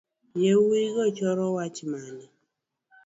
Yawuigo choro wach mane.